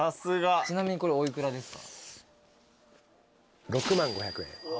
ちなみにこれお幾らですか？